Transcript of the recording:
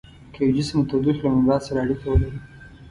که یو جسم د تودوخې له منبع سره اړیکه ولري.